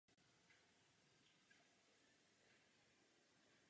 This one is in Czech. Forma je převážně písemná.